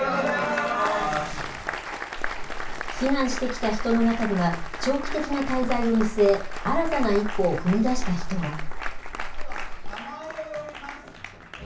避難してきた人の中には、長期的な滞在を見据え、新たな一歩を踏み出した人も。